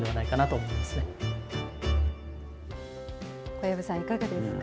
小籔さん、いかがですか。